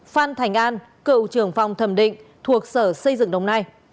phan thành an cựu trưởng phòng thẩm định thuộc sở xây dựng đồng nai